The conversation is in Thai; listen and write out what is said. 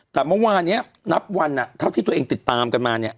แต่เมื่อวานนี้นับวันเท่าที่ตัวเองติดตามกันมาเนี่ย